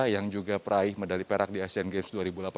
yang juga peraih medali perak di asean games dua ribu delapan belas